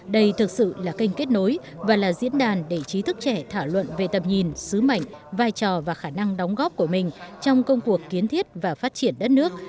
đây thực sự là kênh kết nối và là diễn đàn để trí thức trẻ thảo luận về tầm nhìn sứ mệnh vai trò và khả năng đóng góp của mình trong công cuộc kiến thiết và phát triển đất nước